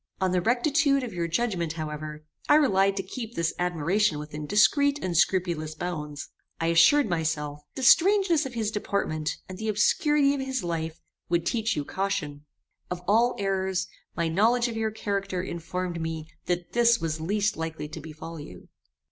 On the rectitude of your judgement, however, I relied to keep this admiration within discreet and scrupulous bounds. I assured myself, that the strangeness of his deportment, and the obscurity of his life, would teach you caution. Of all errors, my knowledge of your character informed me that this was least likely to befall you.